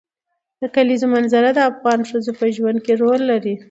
د کلیزو منظره د افغان ښځو په ژوند کې رول لري.